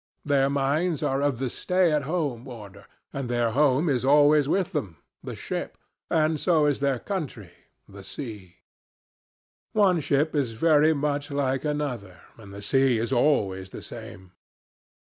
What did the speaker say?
Their minds are of the stay at home order, and their home is always with them the ship; and so is their country the sea. One ship is very much like another, and the sea is always the same.